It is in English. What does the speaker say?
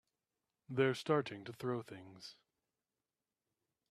They're starting to throw things!